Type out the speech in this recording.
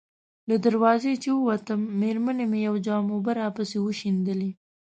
له دروازې چې ووتم، مېرمنې مې یو جام اوبه راپسې وشیندلې.